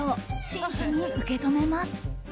真摯に受け止めます。